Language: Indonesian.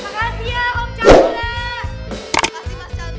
makasih mas chandra